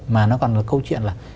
mà nó còn là câu chuyện là